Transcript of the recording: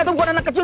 lo bukan anak kecil